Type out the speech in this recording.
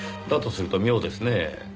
だとすると妙ですねぇ。